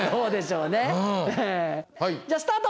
じゃあスタート！